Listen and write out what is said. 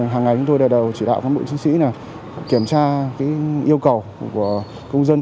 hàng ngày chúng tôi đều đều chỉ đạo các bộ chính sĩ kiểm tra cái yêu cầu của công dân